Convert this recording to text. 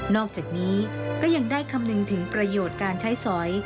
อกจากนี้ก็ยังได้คำนึงถึงประโยชน์การใช้สอย